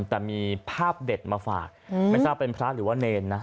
แต่มีภาพเด็ดมาฝากไม่ทราบเป็นพระหรือว่าเนรนะ